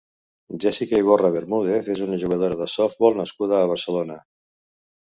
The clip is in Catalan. Jessica Iborra Bermúdez és una jugadora de softbol nascuda a Barcelona.